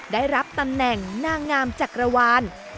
ได้รับตำแหน่งนางงามจักรวาล